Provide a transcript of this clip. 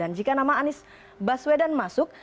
dan jika nama anies baswedan masuk